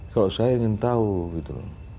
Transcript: kalau saya ingin tahu gitu